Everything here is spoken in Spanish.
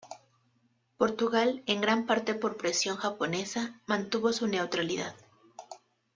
Portugal, en gran parte por presión japonesa, mantuvo su neutralidad.